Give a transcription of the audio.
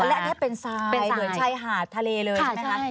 และอันนี้เป็นเหมือนชายหาดทะเลเลยใช่ไหมคะ